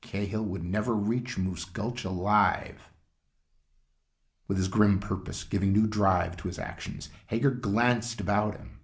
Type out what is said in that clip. Cahill would never reach Moose Gulch alive. With his grim purpose giving new drive to his actions, Hager glanced about him.